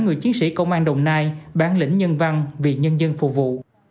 người chiến sĩ công an đồng nai bản lĩnh nhân văn vì nhân dân phục vụ